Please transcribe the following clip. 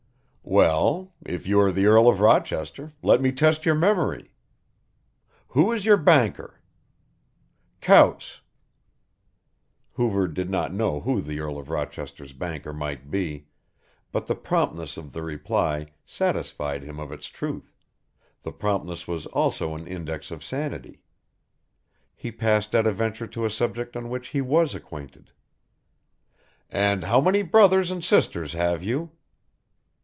"Well, if you are the Earl of Rochester, let me test your memory. Who is your banker?" "Coutts." Hoover did not know who the Earl of Rochester's banker might be, but the promptness of the reply satisfied him of its truth, the promptness was also an index of sanity. He passed at a venture to a subject on which he was acquainted. "And how many brothers and sisters have you?"